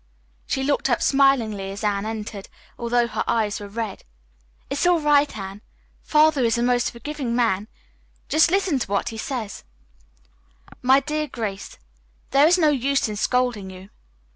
She looked up smilingly as Anne entered, although her eyes were red. "It is all right, Anne! Father is the most forgiving man! Just listen to what he says:" "MY DEAR GRACE: "There is no use in scolding you.